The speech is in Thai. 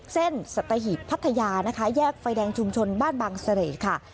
เส้นสัตหิบพัทยาแยกไฟแดงชุมชนบ้านบางเสลค่ะ